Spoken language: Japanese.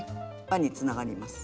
輪につながります。